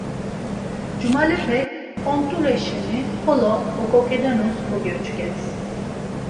Cumalepek ont̆ule şeni xolo oǩoǩedinus kogyoçǩes.